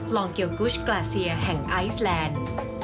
ลองเกียวกุชกลาเซียแห่งไอซแลนด์